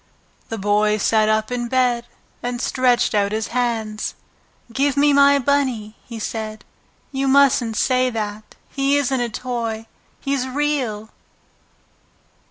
The Boy sat up in bed and stretched out his hands. "Give me my Bunny!" he said. "You mustn't say that. He isn't a toy. He's REAL!"